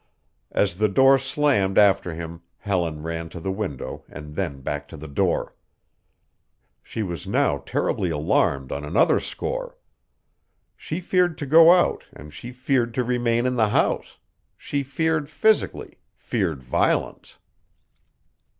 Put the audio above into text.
As the door slammed after him Helen ran to the window and then back to the door. She was now terribly alarmed on another score. She feared to go out and she feared to remain in the house. She feared physically feared violence.